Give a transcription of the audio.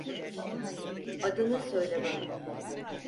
Adını söyle bana.